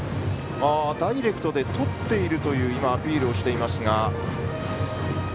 ダイレクトで、とっているというアピールをしていますが。